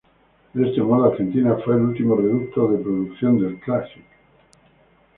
De este modo Argentina fue el último reducto de producción del Classic.